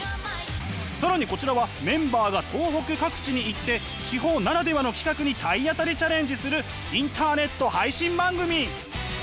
更にこちらはメンバーが東北各地に行って地方ならではの企画に体当たりチャレンジするインターネット配信番組。